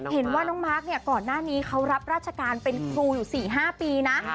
เห็นว่าน้องมาร์คเนี่ยก่อนหน้านี้เขารับราชการเป็นครูอยู่๔๕ปีนะ